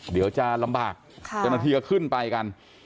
เดี๋ยวจะลำบากเจ้าหน้าที่ก็ขึ้นไปกัน